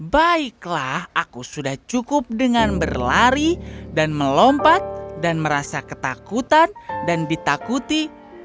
baiklah aku sudah cukup dengan berlari dan melompat dan merasa ketakutan dan ditakuti